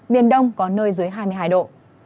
biển đông có nơi dưới hai mươi hai độ